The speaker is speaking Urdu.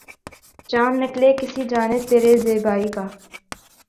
چاند نکلے کسی جانب تری زیبائی کا